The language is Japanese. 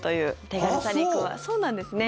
そうなんですね。